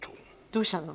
どうしたの？